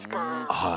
はい。